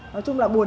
nói chung là buồn